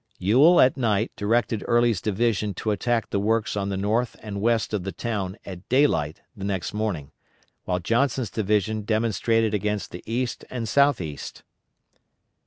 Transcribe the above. Ewell at night directed Early's division to attack the works on the north and west of the town at daylight the next morning, while Johnson's division demonstrated against the east and southeast.